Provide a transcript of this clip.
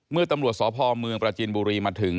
เมื่อตำรวจสพเมืองปราจินบุรีมาถึง